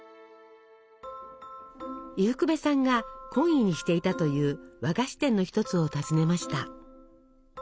伊福部さんが懇意にしていたという和菓子店の一つを訪ねました。